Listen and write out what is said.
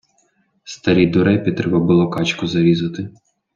Старій дурепі треба було качку зарізати.